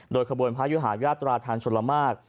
โดยขบวนพระยุหาญาตราทางชนละมาก